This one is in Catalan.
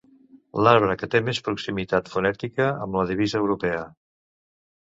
L'arbre que té més proximitat fonètica amb la divisa europea.